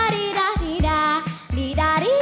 รักคนลิป